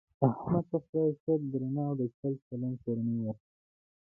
احمد ته خدای ښه درنه او د چل چلن کورنۍ ورکړې ده .